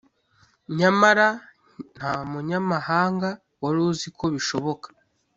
nyamara nta munyamahanga wari uzi ko bishoboka.